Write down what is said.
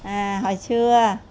à hồi xưa